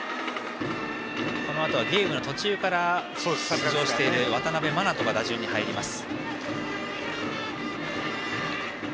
このあとはゲームの途中から出場している渡辺眞翔が打順に入ります。